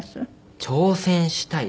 挑戦したい。